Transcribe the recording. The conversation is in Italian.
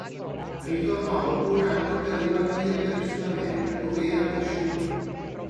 Ritornò dopo un anno per ripartire per il Sud America dove era cresciuto.